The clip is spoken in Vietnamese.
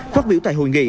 phát biểu tại hội nghị